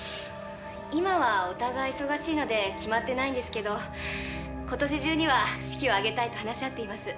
「今はお互い忙しいので決まってないんですけど今年中には式を挙げたいと話し合っています」